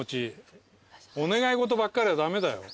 お願い事ばっかりは駄目だよ。